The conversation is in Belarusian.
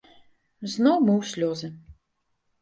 Зноў мы ў слёзы.